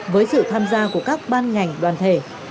với sự tham gia của các ban ngành đoàn thể